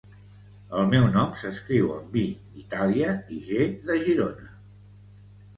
El meu nom s'escriu amb i d'Itàlia i ge de Girona.